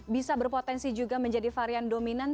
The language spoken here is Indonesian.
bisa berpotensi juga menjadi varian dominan